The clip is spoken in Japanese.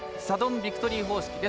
サドンビクトリー方式。